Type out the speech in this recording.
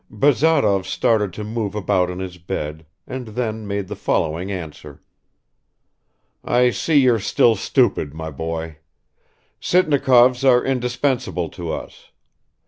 Bazarov started to move about in his bed, and then made the following answer: "I see you're still stupid, my boy. Sitnikovs are indispensable to us.